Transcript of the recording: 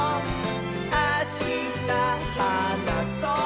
あしたはなそう！」